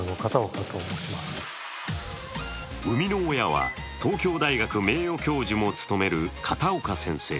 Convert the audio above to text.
生みの親は東京大学名誉教授も務める片岡先生。